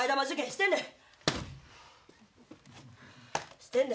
してんねん。